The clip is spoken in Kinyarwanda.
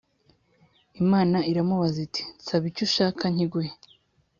Imana iramubaza iti “Nsaba icyo ushaka nkiguhe”